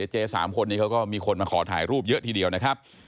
เจ๓คนนี้เขาก็มีคนมาขอถ่ายรูปเยอะทีเดียวนะครับ